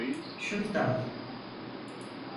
Şunu da al.